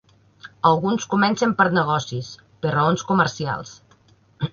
Alguns comencen per negocis, per raons comercials.